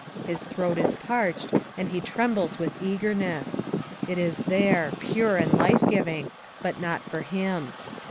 His throat is parched and he trembles with eagerness. It is there pure and life giving, but not for him.